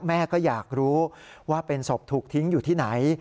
แม่ก็อยากรู้ว่าเป็นศพถูกทิ้งอยู่ที่ไหน